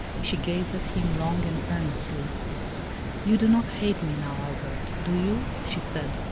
She gazed at him long and earnestly. "You do not hate me, now, Albert, do you?" she said.